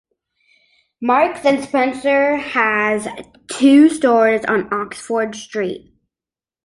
Marks and Spencer has two stores on Oxford Street.